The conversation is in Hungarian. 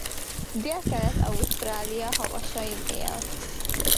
Délkelet-Ausztrália havasain él.